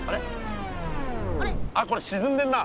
あっこれしずんでんな。